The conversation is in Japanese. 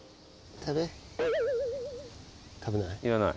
食べない。